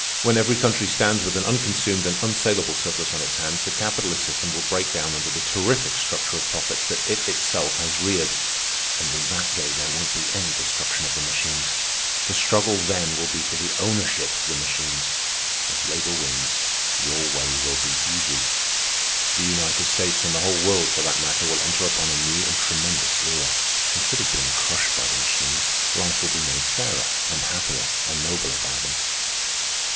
When every country stands with an unconsumed and unsalable surplus on its hands, the capitalist system will break down under the terrific structure of profits that it itself has reared. And in that day there won't be any destruction of the machines. The struggle then will be for the ownership of the machines. If labor wins, your way will be easy. The United States, and the whole world for that matter, will enter upon a new and tremendous era. Instead of being crushed by the machines, life will be made fairer, and happier, and nobler by them.